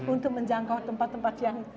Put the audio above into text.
untuk menjangkau tempat tempat yang